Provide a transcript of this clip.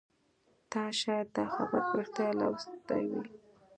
تا شاید دا خبر په ریښتیا لوستی وي